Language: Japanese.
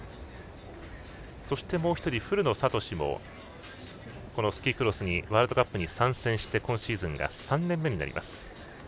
そして、もう１人古野慧もスキークロスワールドカップに参戦して今シーズンは３年目になります。